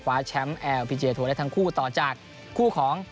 ความแชมป์แอร์ออภิเจยะทัวร์และทั้งคู่ต่อจากคู่ของ